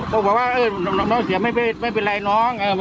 บอกว่าน้องเสียไม่เป็นไรน้อง